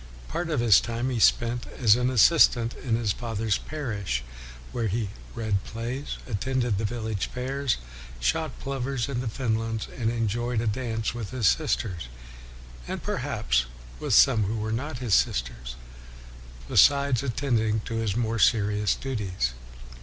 Part of his time he spent as an assistant in his father's parish, where he " read plays, attended the village fairs, shot plovers in the fenlands, and enjoyed a dance with his sisters," and perhaps with some who were not his sisters; be sides attending to his more serious duties.